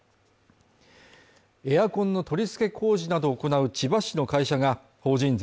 エアコンの取り付け工事などを行う千葉市の会社が法人税